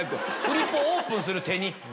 フリップオープンする手に。